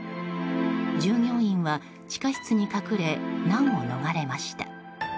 従業員は地下室に隠れ難を逃れました。